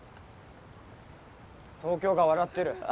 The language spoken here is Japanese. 東京が笑ってる。